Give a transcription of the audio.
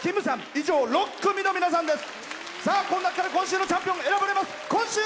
以上、６組の皆さんです。